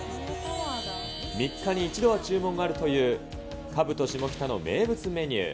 ３日に１度は注文があるという、カブトシモキタの名物メニュー。